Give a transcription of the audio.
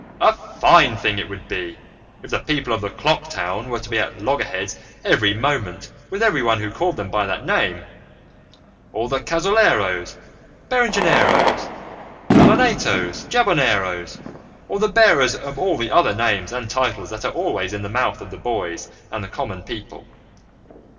A fine thing it would be if the people of the clock town were to be at loggerheads every moment with everyone who called them by that name, or the Cazoleros, Berengeneros, Ballenatos, Jaboneros, or the bearers of all the other names and titles that are always in the mouth of the boys and common people!